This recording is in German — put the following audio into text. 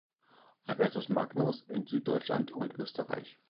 Albertus Magnus in Süddeutschland und Österreich.